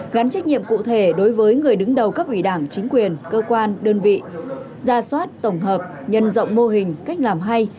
gắn trách nhiệm cụ thể đối với người đứng đầu cấp ủy đảng chính quyền cơ quan đơn vị ra soát tổng hợp nhân rộng mô hình cách làm hay